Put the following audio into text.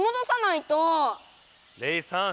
レイさん。